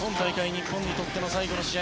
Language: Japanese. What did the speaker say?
日本にとっての最後の試合